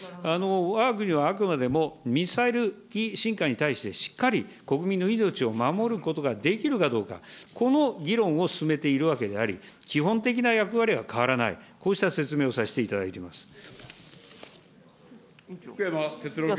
わが国はあくまでもミサイル進化に対して、しっかり国民の命を守ることができるかどうか、この議論を進めているわけであり、基本的な役割は変わらない、こうした説明をさせ福山哲郎君。